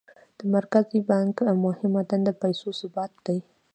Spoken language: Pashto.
د مرکزي بانک مهمه دنده د پیسو ثبات دی.